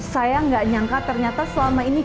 saya nggak nyangka ternyata selama ini